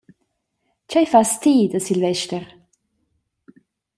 Tgei fas ti da Silvester?